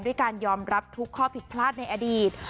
ด้วยการยอมรับทุกข้อผลิตภาพในอดีต